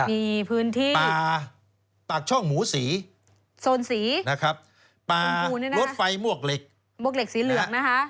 มีพื้นที่ป่าปากช่องหมูสีโซนสีนะครับป่ารถไฟมวกเหล็กมวกเหล็กสีเหลืองนะคะ